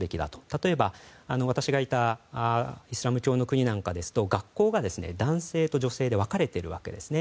例えば、私がいたイスラム教の国ですと学校が男性と女性で分かれているわけですね。